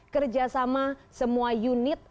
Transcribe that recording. kerjasama semua unit